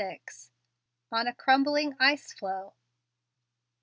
ON A CRUMBLING ICE FLOE.